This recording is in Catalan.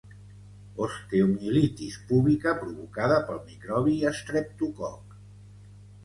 Osteomielitis púbica provocada pel microbi estreptococ.